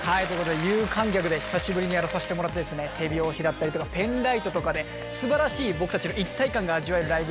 有観客で久しぶりにやらさせてもらって手拍子だったりとかペンライトとかで素晴らしい僕たちの一体感が味わえるライブＤＶＤ。